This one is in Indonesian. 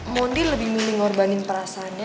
mondi lebih milih ngorbanin perasaannya